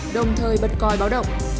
đồng thời bật coi báo động